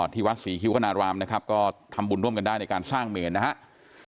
ที่วัดศรีคิ้วคณารามนะครับก็ทำบุญร่วมกันได้ในการสร้างเมนนะครับ